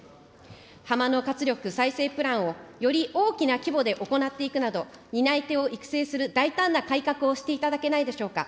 浜の活力再生プランを、より大きな規模で行っていくなど、担い手を育成する大胆な改革をしていただけないでしょうか。